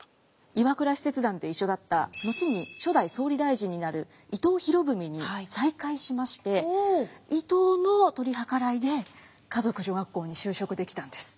岩倉使節団で一緒だった後に初代総理大臣になる伊藤博文に再会しまして伊藤の取り計らいで華族女学校に就職できたんです。